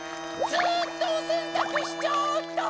ずっとおせんたくしちゃおうっと！